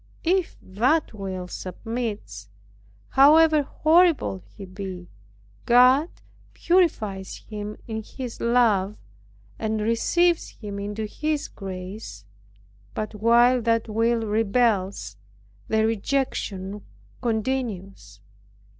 If that will submits, how horrible soever he be, God purifies him in his love, and receives him into his grace; but while that will rebels, the rejection continues.